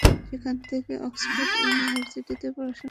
সে সেখানে অক্সফোর্ড ইউনিভার্সিটিতে পড়াশোনা করে।